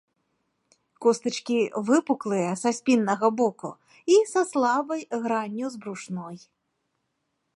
Костачкі выпуклыя са спіннога боку і са слабай гранню з брушной.